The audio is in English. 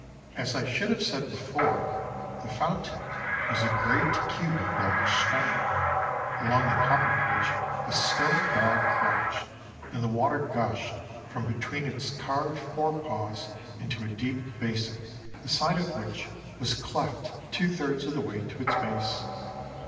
As I should have said before, the fountain was a great cube of darkish stone, along the top of which a stone dog crouched; and the water gushed from between its carved fore paws into a deep basin, the side of which was cleft two thirds of the way to its base.